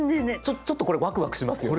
ちょっとこれわくわくしますよね。